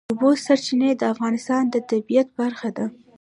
د اوبو سرچینې د افغانستان د طبیعت برخه ده.